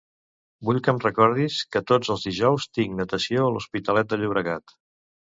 Vull que em recordis que tots els dijous tinc natació a l'Hospitalet de Llobregat.